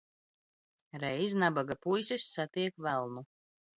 Reiz nabaga puisis satiek velnu.